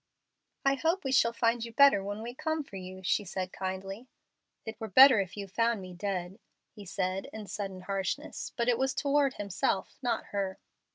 "I hope we shall find you better when we come for you," she said, kindly. "It were better if you found me dead," he said, in sudden harshness, but it was toward himself, not her.